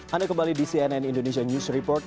anda kembali di cnn indonesia news report